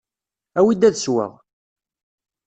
Awi-d ad sweɣ!